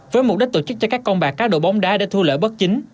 với mục đích tổ chức cho các con bạc cá độ bóng đá để thu lỡ bất chính